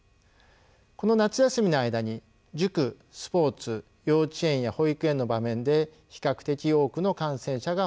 この夏休みの間に塾スポーツ幼稚園や保育園の場面で比較的多くの感染者が報告されました。